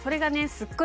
すっごい